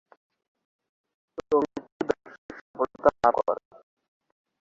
ছবিটি ব্যবসায়িক সফলতা লাভ করে।